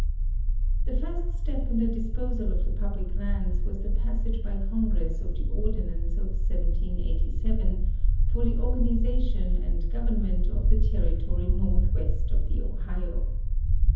The first step in the disposal of the i)ublic lands was the pas sage by Congress of the ordinance of 1787 for the organization and government of the territory northwest of the Ohio.